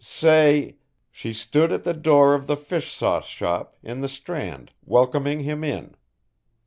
"Say: 'She stood at the door of the fish sauce shop in the Strand welcoming him in.'"